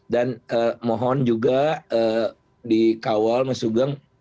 dan mohon juga dikawal mas ugeng